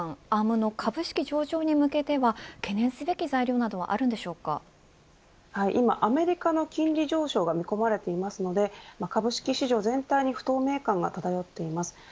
アームの株式上場に向けては懸念すべき材料などは今、アメリカの金利上昇が見込まれていますので株式市場全体に不透明感が漂っています。